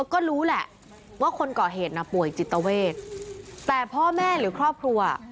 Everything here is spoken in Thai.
ก็รู้แหละว่าคนก่อเหตุน่ะป่วยจิตเวทแต่พ่อแม่หรือครอบครัว